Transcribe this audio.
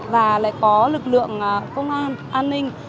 và lại có lực lượng công an an ninh